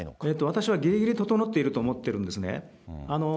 私はぎりぎり整っていると思っているんですね。